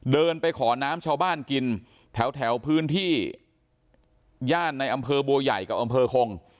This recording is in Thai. เดินไปขอน้ำชาวบ้านกินแถวพื้นที่ย่านในอำเภอบัวใหญ่กับอำเภอคง